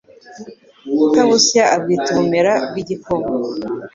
Utabusya abwita ubumera bw'igikoma